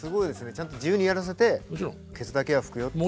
ちゃんと自由にやらせてケツだけは拭くよっていう。